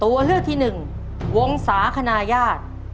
วงศาขณะญาติ